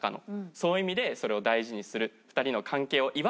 そういう意味でそれを大事にする。